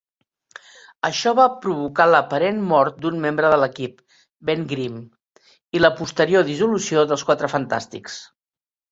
Això va provocar l'aparent mort d'un membre de l'equip, Ben Grimm, i la posterior dissolució dels Quatre Fantàstics.